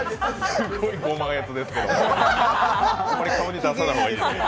すごいご満悦ですけどあんまり顔に出さない方がいい。